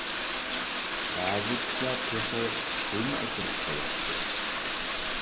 بەزى كىشىلەر تېخى پۇلمۇ ئەكىرىپ قوياتتى.